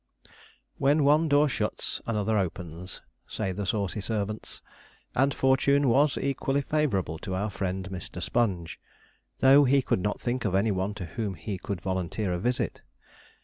'When one door shuts another opens,' say the saucy servants; and fortune was equally favourable to our friend Mr. Sponge. Though he could not think of any one to whom he could volunteer a visit.